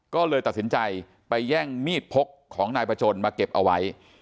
ก็เลยตัดสินใจไปแย่งมีดพกของนายประจนมาเก็บเอาไว้